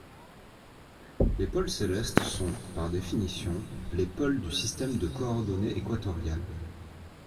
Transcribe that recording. Les pôles célestes sont, par définition, les pôles du système de coordonnées équatoriales.